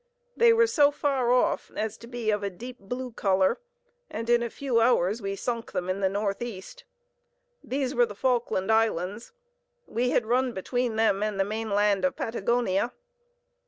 They were so far off as to be of a deep blue color, and in a few hours we sunk them in the northeast. These were the Falkland Islands. We had run between them and the main land of Patagonia.